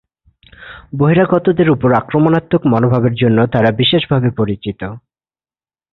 বহিরাগতদের ওপর আক্রমণাত্মক মনোভাবের জন্য তারা বিশেষভাবে পরিচিত।